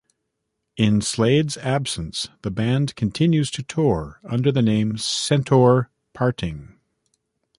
In Slade's absence, the band continues to tour under the name Centaur Parting.